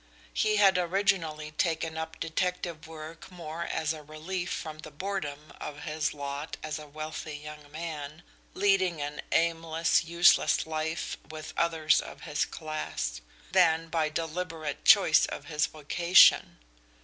He had originally taken up detective work more as a relief from the boredom of his lot as a wealthy young man, leading an aimless, useless life with others of his class, than by deliberate choice of his vocation.